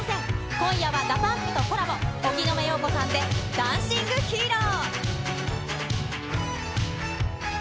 今夜はＤＡＰＵＭＰとコラボ、荻野目洋子さんでダンシング・ヒーロー。